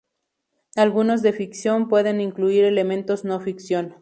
Algunos de ficción puede incluir elementos no ficción.